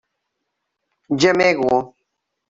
Gemego.